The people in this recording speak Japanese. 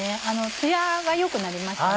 ツヤが良くなりましたね。